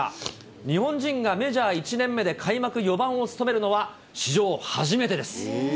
日本人がメジャー１年目で開幕４番を務めるのは、史上初めてです。